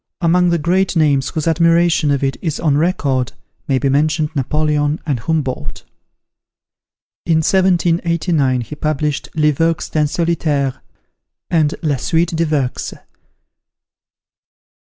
Among the great names whose admiration of it is on record, may be mentioned Napoleon and Humboldt. In 1789, he published "Les Vœux d'un Solitaire," and "La Suite des Vœux."